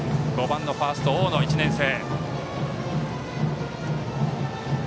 ５番のファースト、大野１年生。